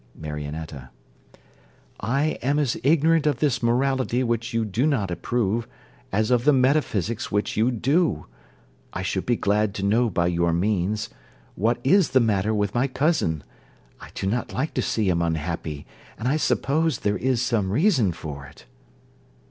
MARIONETTA I am as ignorant of this morality which you do not approve, as of the metaphysics which you do: I should be glad to know by your means, what is the matter with my cousin; I do not like to see him unhappy, and I suppose there is some reason for it.